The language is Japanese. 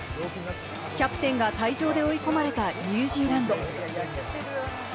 キャプテンが退場で追い込まれたニュージーランド。